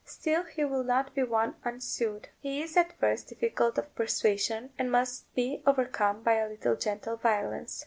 Still he will not be won unsued: he is at first difficult of persuasion, and must be overcome by a little gentle violence.